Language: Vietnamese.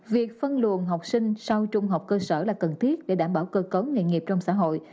việc phân luồng học sinh sau trung học cơ sở là cần thiết để đảm bảo cơ cấu nghề nghiệp trong xã hội